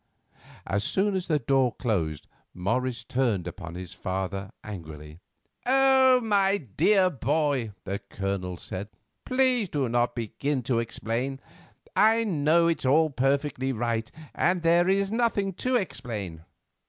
As soon as the door closed Morris turned upon his father angrily. "Oh! my dear boy," the Colonel said, "please do not begin to explain. I know it's all perfectly right, and there is nothing to explain.